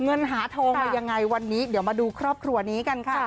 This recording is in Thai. เงินหาทองมายังไงวันนี้เดี๋ยวมาดูครอบครัวนี้กันค่ะ